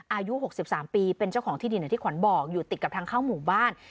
อายุหกสิบสามปีเป็นเจ้าของที่ดินอาทิตย์ขวัญบ่ออยู่ติดกับทางเข้ามูบ้าน